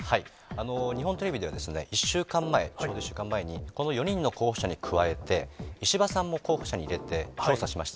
日本テレビでは、１週間前、ちょうど１週間前にこの４人の候補者に加えて、石破さんも候補者に入れて調査しました。